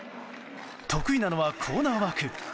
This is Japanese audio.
得意なのはコーナーワーク。